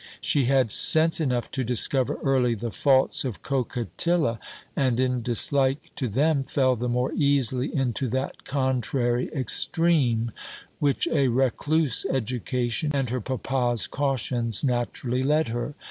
She had sense enough to discover early the faults of Coquetilla, and, in dislike to them, fell the more easily into that contrary extreme, which a recluse education, and her papa's cautions, naturally led her.